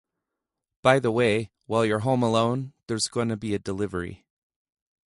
By the way, while you’re home alone, there’s gonna be a delivery.